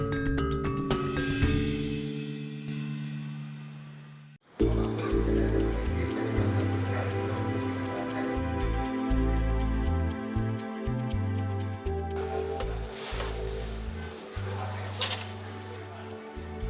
bebakan berjalan dengan rapi memanas di belakang desa pak t microscopicae serta di dalam kayu kayu